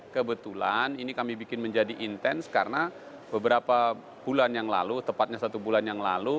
kebetulan ini kami bikin menjadi intens karena beberapa bulan yang lalu tepatnya satu bulan yang lalu